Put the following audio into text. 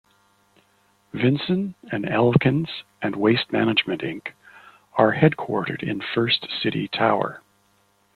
Vinson and Elkins and Waste Management, Inc are headquartered in First City Tower.